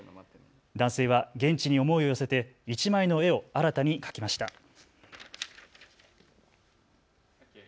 男性は現地に思いを寄せて１枚の絵を新たに描きました。